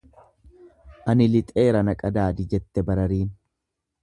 Ani lixeera na qadaadi jette barariin.